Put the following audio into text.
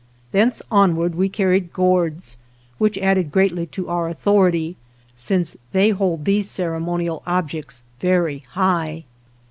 Thence onward we carried gourds, which added greatly to our author ity, since they hold these ceremonial objects very high.